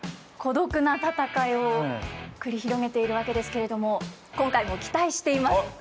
孤独な戦いを繰り広げているわけですけれども今回も期待しています。